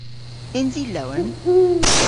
Yns i lowen?